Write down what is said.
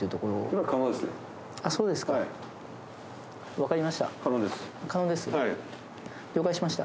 分かりました。